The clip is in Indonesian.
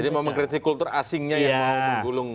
jadi mau mengkritik kultur asingnya yang mau menggulung